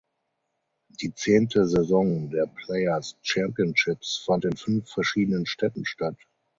Die zehnte Saison der Players Championships fand in fünf verschiedenen Städten statt.